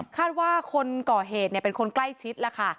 คาดว่าคนก่อเหตุเนี่ยเป็นคนใกล้ชิดละค่ะ